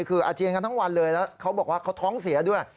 คืออาเจียนกันทั้งวันเลยแล้วเขาบอกว่าเขาท้องเสียด้วย